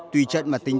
tuy trận mà tính